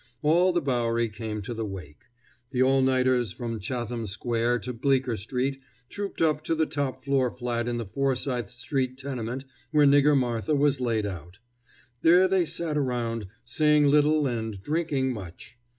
All the Bowery came to the wake. The all nighters from Chatham Square to Bleecker street trooped up to the top floor flat in the Forsyth street tenement where Nigger Martha was laid out. There they sat around, saying little and drinking much.